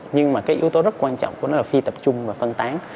nhưng mà cái yếu tố rất quan trọng của nó là phi tập trung và phân tán